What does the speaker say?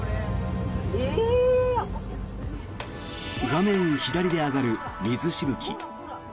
画面左で上がる水しぶき。